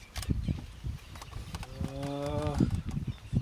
სეიდაბადის მთელს მიდამოებში არსებული ეკლესიები ქრისტეს სარწმუნოების მტრებმა ააოხრეს.